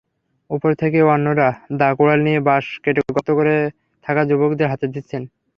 ওপর থেকে অন্যরা দা-কুড়াল দিয়ে বাঁশ কেটে গর্তে থাকা যুবকদের হাতে দিচ্ছেন।